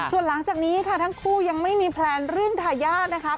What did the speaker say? ส่วนหลังจากนี้ค่ะทั้งคู่ยังไม่มีแพลนเรื่องทายาทนะคะ